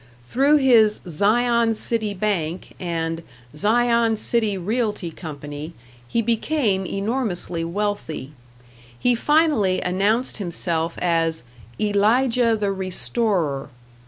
Through his Zion City Bank and Zion City Realty Company he became enormously wealthy; he finally announced himself as "Elijah the Restorer."